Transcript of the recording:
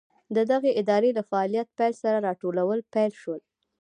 د دغې ادارې له فعالیت پیل سره راټولول پیل شول.